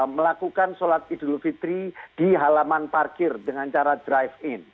melakukan sholat idul fitri di halaman parkir dengan cara drive in